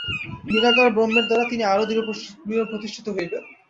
নিরাকার ব্রহ্মের দ্বারা তিনি আরও দৃঢ়প্রতিষ্ঠ হইবেন।